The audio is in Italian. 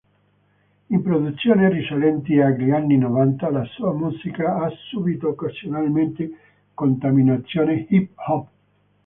In produzioni risalenti agli anni novanta la sua musica ha subito occasionalmente contaminazioni hip-hop.